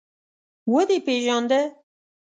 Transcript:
_ودې پېژانده؟